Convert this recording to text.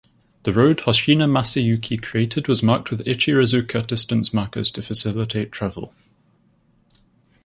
The road Hoshina Masayuki created was marked with "ichirizuka" distance markers to facilitate travel.